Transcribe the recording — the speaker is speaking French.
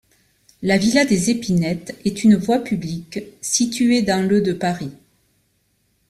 La villa des Épinettes est une voie publique située dans le de Paris.